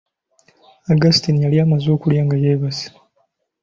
Augustine yali amaze okulya nga yeebase.